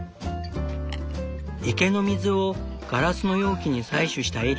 池の水をガラスの容器に採取したエリー。